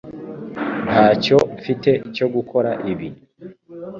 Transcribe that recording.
Ntacyo mfite cyo gukora ibi